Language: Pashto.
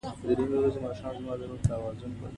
احمد د پلار شتمني په یوه کال کې وخوړه.